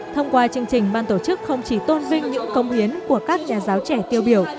thông qua chương trình ban tổ chức không chỉ tôn vinh những công hiến của các nhà giáo trẻ tiêu biểu